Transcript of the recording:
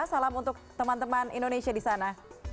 salam untuk teman teman indonesia di sana